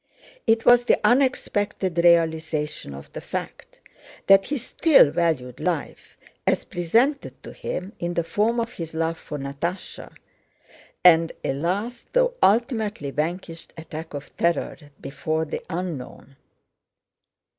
It was the unexpected realization of the fact that he still valued life as presented to him in the form of his love for Natásha, and a last, though ultimately vanquished, attack of terror before the unknown.